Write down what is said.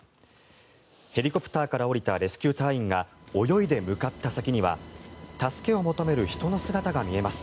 ヘリコプターから降りたレスキュー隊員が泳いで向かった先には助けを求める人の姿が見えます。